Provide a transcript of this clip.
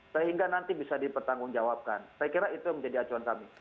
sehingga nanti bisa dipertanggungjawabkan saya kira itu yang menjadi acuan kami